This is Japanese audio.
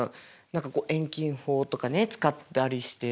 何かこう遠近法とかね使ったりして。